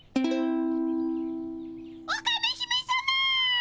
オカメ姫さま！